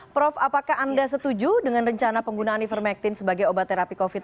prof apakah anda setuju dengan rencana penggunaan ivermectin sebagai obat terapi covid sembilan belas